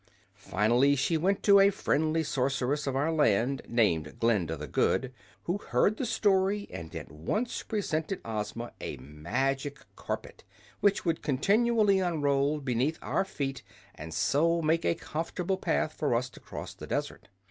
Finally she went to a friendly sorceress of our land named Glinda the Good, who heard the story and at once presented Ozma a magic carpet, which would continually unroll beneath our feet and so make a comfortable path for us to cross the desert.